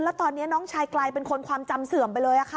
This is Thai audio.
แล้วตอนนี้น้องชายกลายเป็นคนความจำเสื่อมไปเลยค่ะ